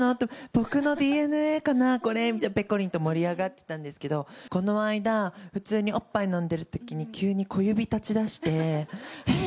僕のＤＮＡかな、これ、見て、ぺこりんと盛り上がってたんですけど、この間、普通におっぱい飲んでるときに、急に小指立ちだして、えっ？